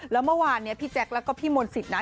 แล้วเมื่อวานเนี่ยพี่แจ๊คแล้วก็พี่มนต์สิทธินะ